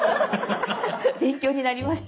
勉強になりました。